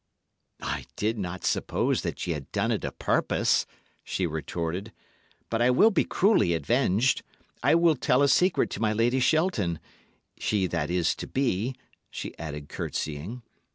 "I did not suppose that ye had done it o' purpose," she retorted. "But I will be cruelly avenged. I will tell a secret to my Lady Shelton she that is to be," she added, curtseying.